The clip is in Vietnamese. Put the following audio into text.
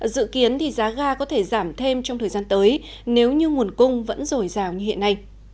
dự kiến thì giá ga có thể giảm thêm trong thời gian tới nếu như nguồn cung vẫn dồi dào như hiện nay